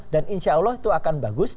dan insya allah itu akan bagus